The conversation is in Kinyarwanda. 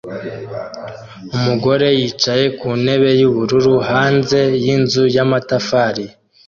Umugore yicaye ku ntebe yubururu hanze yinzu yamatafari